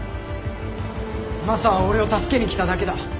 マサは俺を助けに来ただけだ。